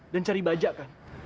dan cari bajak kan